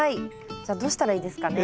じゃあどうしたらいいですかね？